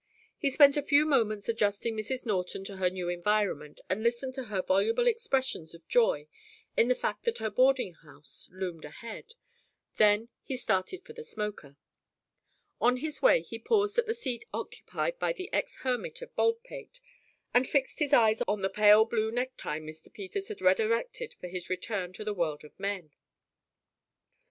He spent a few moments adjusting Mrs. Norton to her new environment, and listened to her voluble expressions of joy in the fact that her boarding house loomed ahead. Then he started for the smoker. On his way he paused at the seat occupied by the ex hermit of Baldpate, and fixed his eyes on the pale blue necktie Mr. Peters had resurrected for his return to the world of men.